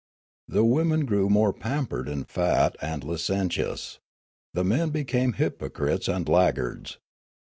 The women grew more pampered and fat and licentious ; the men became hypocrites and laggards.